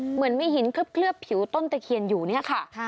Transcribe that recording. เหมือนมีหินเคลือบผิวต้นตะเคียนอยู่เนี่ยค่ะ